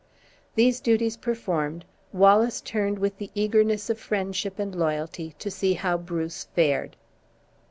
These duties performed, Wallace turned with the eagerness of friendship and loyalty to see how Bruce fared.